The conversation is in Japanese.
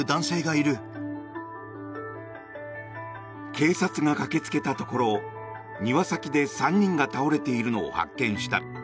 警察が駆けつけたところ庭先で３人が倒れているのを発見した。